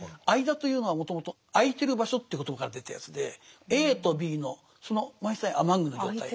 「間」というのはもともと空いてる場所という言葉からできたやつでＡとＢのそのアマングの状態